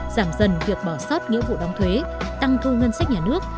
giảm dần việc bỏ sót nghĩa vụ đóng thuế tăng thu ngân sách nhà nước